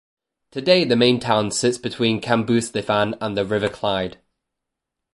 Today the main town sits between Cambusnethan and the River Clyde.